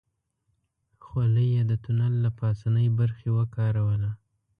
خولۍ يې د تونل له پاسنۍ برخې وکاروله.